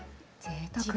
ぜいたく。